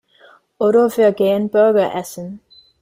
Oder wir gehen Burger essen.